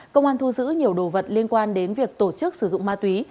công an thu giữ nhiều đồ vật liên quan đến việc tổ chức sử dụng ma túy